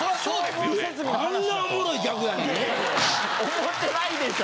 思ってないでしょ。